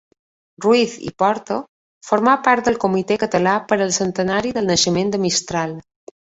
Ruiz i Porta formà part del Comitè català per al Centenari del naixement de Mistral.